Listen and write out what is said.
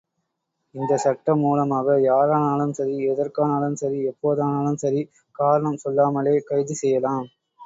இந்த சட்டம் மூலமாக யாரானாலும் சரி, எதற்கானாலும் சரி, எப்போதானாலும் சரி, காரணம் சொல்லாமலே கைது செய்யலாம்.